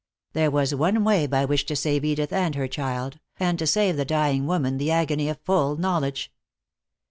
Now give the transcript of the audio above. There was one way by which to save Edith and her child, and to save the dying woman the agony of full knowledge.